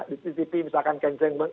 di cctv misalkan kenceng